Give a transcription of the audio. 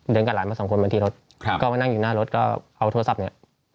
กับหลานมาสองคนมาที่รถก็มานั่งอยู่หน้ารถก็เอาโทรศัพท์เนี่ย